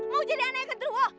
mau jadi anak yang kedua